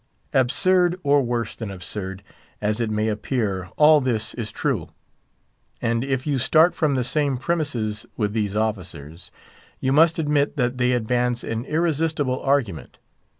Absurd, or worse than absurd, as it may appear, all this is true; and if you start from the same premises with these officers, you, must admit that they advance an irresistible argument.